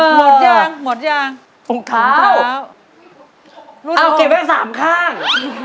หมดหมดยางหมดยางขุมเท้าขุมเท้าเอ้าเก็บไว้สามข้าง